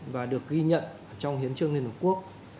và được ghi nhận trong hiến trương liên hợp quốc